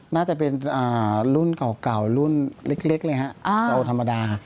น่าจะเป็นรุ่นเก่ารุ่นเล็กเลยฮะเราธรรมดา